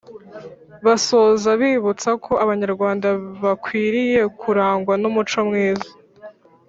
basoza bibutsa ko abanyarwanda bakwiriye kurangwa n’umuco mwiza